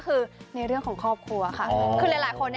เล่นในเรื่องของครอบครัวค่ะ